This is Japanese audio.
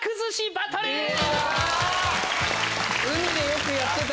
海でよくやってた。